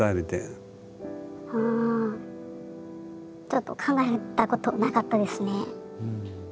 ちょっと考えたことなかったですね。